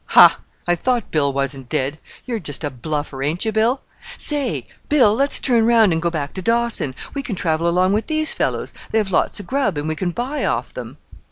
"Ha! I thought Bill wasn't dead: you're just a bluffer, ain't you, Bill? Say! Bill, let's turn round and go back to Dawson. We can travel along with these fellows: they have lots of grub, and we can buy off them."